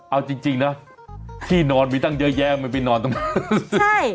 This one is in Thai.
เอาจริงนะที่นอนมีตั้งเยอะแยะมันไปนอนตรงนั้นใช่